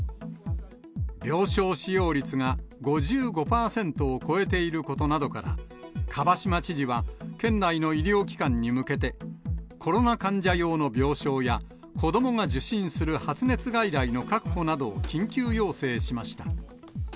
病床使用率が５５％を超えていることなどから、蒲島知事は県内の医療機関に向けて、コロナ患者用の病床や子どもが受診する発熱外来の確保などを緊急要請しました。